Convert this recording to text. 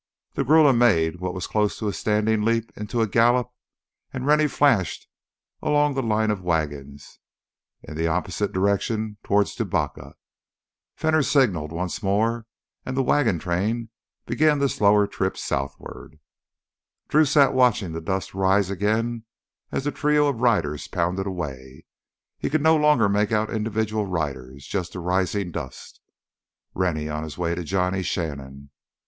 The grulla made what was close to a standing leap into a gallop and Rennie flashed along the line of wagons in the opposite direction toward Tubacca. Fenner signaled once more and the train began the slower trip southward. Drew sat watching the dust arise again as the trio of riders pounded away. He could no longer make out individual riders, just the rising dust. Rennie on his way to Johnny Shannon